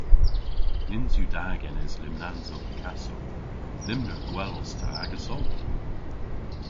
Nyns yw da genes lymnansow Picasso. Lymner gwell os ta agesso!